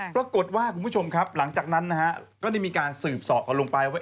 ปรากฏว่าคุณผู้ชมครับหลังจากนั้นนะฮะก็ได้มีการสืบสอกันลงไปว่า